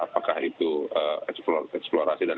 apakah itu eksplorasi dan